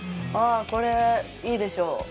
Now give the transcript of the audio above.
これいいでしょ。